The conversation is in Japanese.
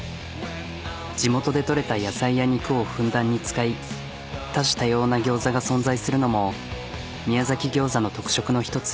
地元で取れた野菜や肉をふんだんに使い多種多様なギョーザが存在するのも宮崎ギョーザの特色の１つ。